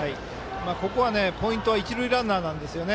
ここはポイントは一塁ランナーですね。